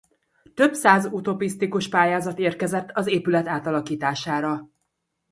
Több száz utópisztikus pályázat érkezett az épület átalakítására.